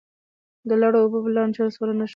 د لر او بر لانجه سوله نه شوه.